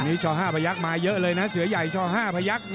นี่ช่อห้าพระยักษณ์มาเยอะเลยนะเสือใหญ่ช่อห้าพระยักษณ์